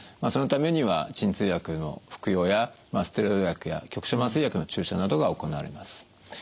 そのためには鎮痛薬の服用やステロイド薬や局所麻酔薬の注射などが行われます。